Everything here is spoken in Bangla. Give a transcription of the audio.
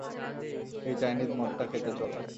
সেই চাইনিজ মদটা খেতে চরম।